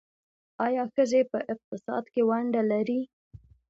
آیا ښځې په اقتصاد کې ونډه لري؟